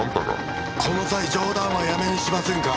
「この際冗談はやめにしませんか」